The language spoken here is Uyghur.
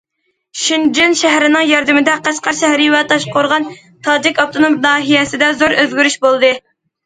شېنجېن شەھىرىنىڭ ياردىمىدە قەشقەر شەھىرى ۋە تاشقورغان تاجىك ئاپتونوم ناھىيەسىدە زور ئۆزگىرىش بولدى.